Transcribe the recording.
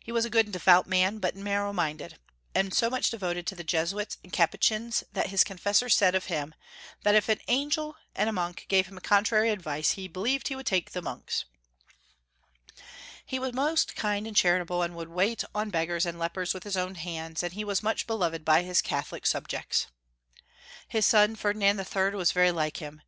He was a good and devout man, but narrow minded, and so much devoted to the Jesuits and Capuchins that his confessor said of him, that if an angel and a monk gave him contrary advice, he believed he would take the monk's. He was most kind and charitable, and would wait on 352 Young Folks* History of Q ermany. beggars and lepers with his own hands, and he was much beloved by his Catholic subjects. His son, Ferdinand III., was very like him.